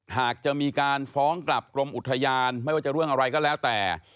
หากจะมีการฟ้องกลับกรมอุทยานไม่ว่าจะเรื่องอะไรก็แล้วแต่